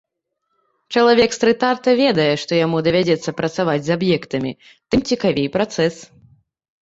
Чалавек стрыт-арта ведае, што яму давядзецца працаваць з аб'ектамі, тым цікавей працэс.